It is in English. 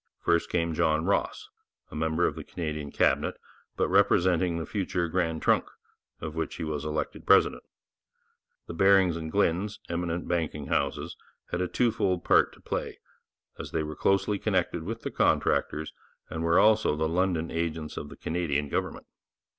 First came John Ross, a member of the Canadian Cabinet, but representing the future Grand Trunk, of which he was elected president. The Barings and Glyns, eminent banking houses, had a twofold part to play, as they were closely connected with the contractors and were also the London agents of the Canadian government.